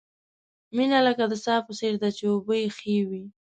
مینه لکه د څاه په څېر ده، چې اوبه یې ښې وي.